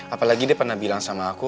apalagi dia pernah bilang sama aku